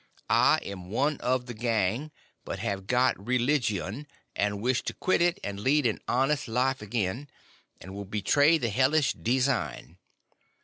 I am one of the gang, but have got religgion and wish to quit it and lead an honest life again, and will betray the helish design.